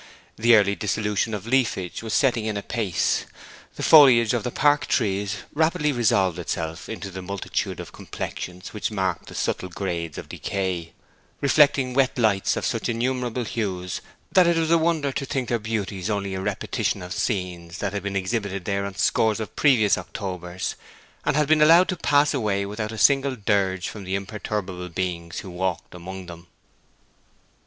The yearly dissolution of leafage was setting in apace. The foliage of the park trees rapidly resolved itself into the multitude of complexions which mark the subtle grades of decay, reflecting wet lights of such innumerable hues that it was a wonder to think their beauties only a repetition of scenes that had been exhibited there on scores of previous Octobers, and had been allowed to pass away without a single dirge from the imperturbable beings who walked among them.